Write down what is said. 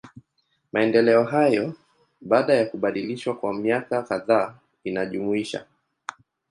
Maendeleo hayo, baada ya kubadilishwa kwa miaka kadhaa inajumuisha.